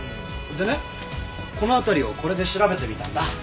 でねこの辺りをこれで調べてみたんだ。